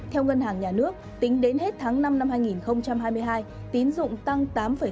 theo ngân hàng nhà nước tính đến hết tháng năm năm hai nghìn hai mươi hai tín dụng tăng tám sáu